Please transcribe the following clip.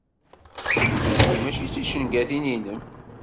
Nutenti mačči d ticengatin-inem.